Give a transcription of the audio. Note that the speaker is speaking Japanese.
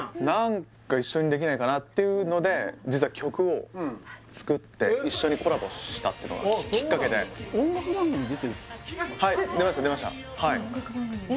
何か一緒にできないかなっていうので実は曲を作って一緒にコラボしたってのがきっかけではい出ました出ました